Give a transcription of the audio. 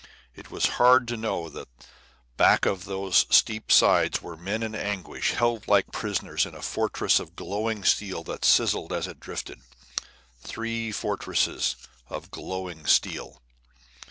It was hard to know that back of those steep sides were men in anguish, held like prisoners in a fortress of glowing steel that sizzled as it drifted three fortresses of glowing steel.